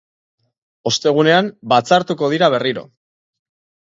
Ostegunean batzartuko dira berriro.